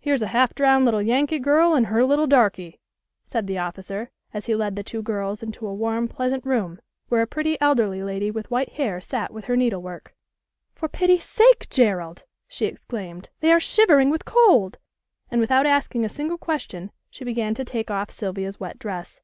"Here's a half drowned little Yankee girl and her little darky," said the officer, as he led the two girls into a warm pleasant room where a pretty elderly lady with white hair sat with her needlework. "For pity sake, Gerald!" she exclaimed. "They are shivering with cold," and without asking a single question she began to take off Sylvia's wet dress.